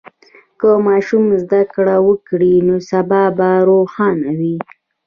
که ماشوم زده کړه وکړي، نو سبا به روښانه وي.